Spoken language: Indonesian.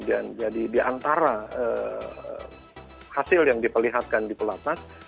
dan jadi diantara hasil yang diperlihatkan di pelatna